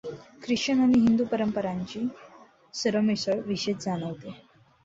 Christian आणि हिंदू परंपरांची सरमिसळ विशेष जाणवते.